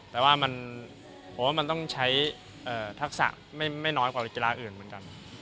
แต่ว่าผมว่ามันต้องใช้ทักษะไม่น้อยกว่ากีฬาอื่นเหมือนกัน